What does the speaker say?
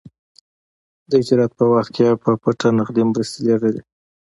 د هجرت په وخت کې يې په پټه نغدې مرستې لېږلې.